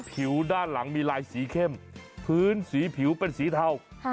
ผิวด้านหลังมีลายสีเข้มพื้นสีผิวเป็นสีเทา